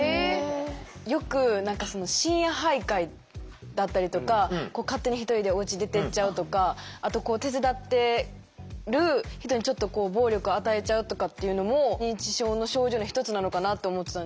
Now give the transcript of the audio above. よく何か深夜徘徊だったりとか勝手に１人でおうち出てっちゃうとかあと手伝ってる人にちょっとこう暴力与えちゃうとかっていうのも認知症の症状の一つなのかなと思ってたんですけどそれは？